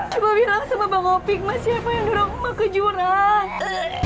coba bilang sama bang opik mas siapa yang dorong mau ke jurang